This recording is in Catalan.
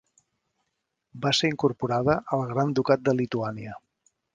Va ser incorporada al Gran Ducat de Lituània.